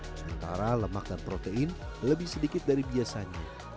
sementara lemak dan protein lebih sedikit dari biasanya